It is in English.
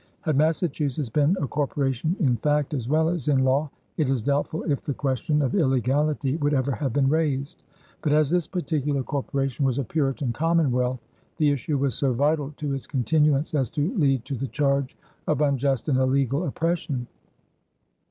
Had Massachusetts been a corporation in fact as well as in law, it is doubtful if the question of illegality would ever have been raised; but as this particular corporation was a Puritan commonwealth, the issue was so vital to its continuance as to lead to the charge of unjust and illegal oppression.